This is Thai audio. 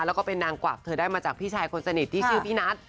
แล้วก็เป็นนางกวักเธอได้มาจากพี่ชายคนสนิทที่ชื่อพี่นัท